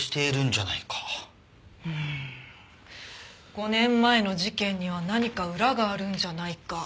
５年前の事件には何か裏があるんじゃないか。